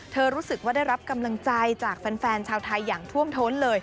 รู้สึกว่าได้รับกำลังใจจากแฟนชาวไทยอย่างท่วมท้นเลย